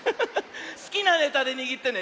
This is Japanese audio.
すきなネタでにぎってね。